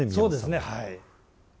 そうですねはい。